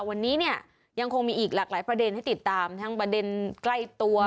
วันนี้เนี่ยยังคงมีอีกหลากหลายประเด็นให้ติดตามทั้งประเด็นใกล้ตัว